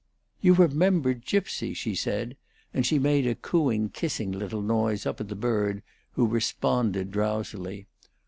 "You remember Gypsy?" she said; and she made a cooing, kissing little noise up at the bird, who responded drowsily.